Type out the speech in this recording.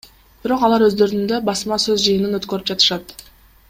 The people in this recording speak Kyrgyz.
Бирок алар өздөрүндө басма сөз жыйынын өткөрүп жатышат.